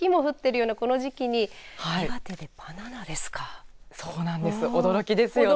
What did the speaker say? そうなんです、驚きですよね。